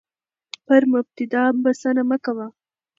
پر مبتدا بسنه مه کوه،